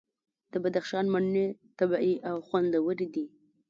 د بدخشان مڼې طبیعي او خوندورې دي.